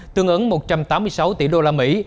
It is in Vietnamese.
tương ứng một trăm tám mươi sáu tỷ đô la mỹ